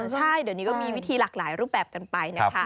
ใช่เดี๋ยวนี้ก็มีวิธีหลากหลายรูปแบบกันไปนะคะ